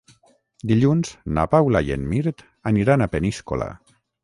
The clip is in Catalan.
Dilluns na Paula i en Mirt aniran a Peníscola.